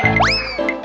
terima kasih pak